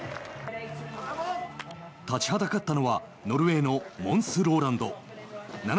立ちはだかったのはノルウェーのモンス・ローランド。